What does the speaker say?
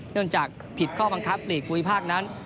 เนื่องจากผิดข้อบังคับหลีกภูมิภาคนั้น